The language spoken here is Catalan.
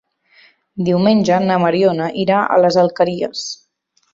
Diumenge na Mariona irà a les Alqueries.